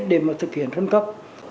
để mà thực hiện phân cấp